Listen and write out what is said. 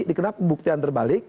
dikenal pembuktian terbalik